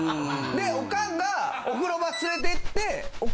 でおかんがお風呂場連れて行って。